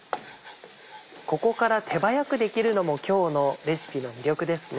ここから手早くできるのも今日のレシピの魅力ですね。